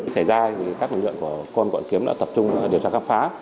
xảy ra các lực lượng của công quận kiếm đã tập trung điều tra khám phá